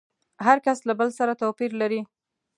هر کس له بل سره توپير لري.